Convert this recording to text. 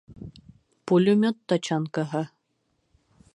Пулемет тачанкаһы!